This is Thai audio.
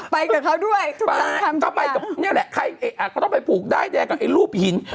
ไปกับเขาด้วยทุกคำทุกคำนี่แหละเขาต้องไปผูกได้แดงกับไอ้รูปหิน